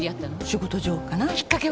仕事上かな。きっかけは？